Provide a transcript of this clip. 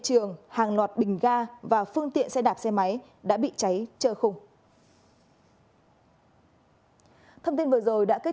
trường hàng loạt bình ga và phương tiện xe đạp xe máy đã bị cháy trơ khung thông tin vừa rồi đã kết